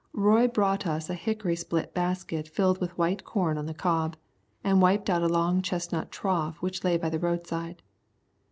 Roy brought us a hickory split basket filled with white corn on the cob, and wiped out a long chestnut trough which lay by the roadside.